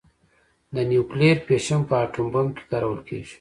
د نیوکلیر فیشن په اټوم بم کې کارول کېږي.